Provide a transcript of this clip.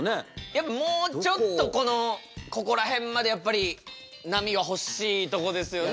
やっぱもうちょっとこのここら辺までやっぱり波は欲しいとこですよね？